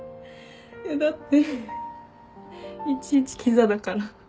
だっていちいちきざだから。